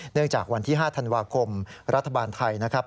จากวันที่๕ธันวาคมรัฐบาลไทยนะครับ